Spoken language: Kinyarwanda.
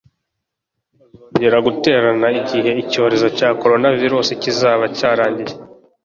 bazongera guterana igihe icyorezo cya coronavirus kizaba cyarangiye